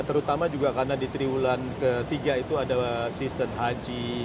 terutama juga karena di triwulan ketiga itu ada sistem haji